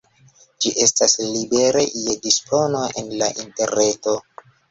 Ĝi estas libere je dispono en la interreto.